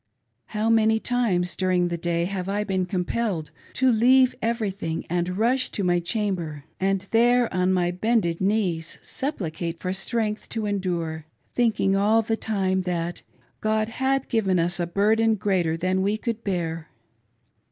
. How many times durifag the day have I been compelled to leave everything and rush to my chamber, and there on my bended knees supplicate for strength to endure, thinking all the time that, in ordaining this Revelation, God had given us a burden greater than we could bear.